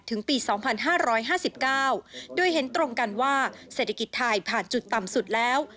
ถึงปีสองพันห้าร้อยห้าสิบเก้าโดยเห็นตรงกันว่าเศรษฐกิจไทยผ่านจุดต่ำสุดแล้ว